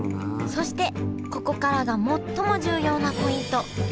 そしてここからが最も重要なポイント。